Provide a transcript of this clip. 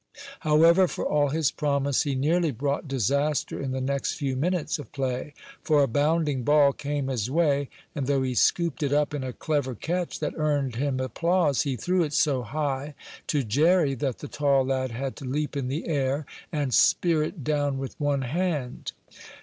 However, for all his promise, he nearly brought disaster in the next few minutes of play. For a bounding ball came his way, and though he scooped it up in a clever catch that earned him applause, he threw it so high to Jerry that the tall lad had to leap in the air, and spear it down with one hand.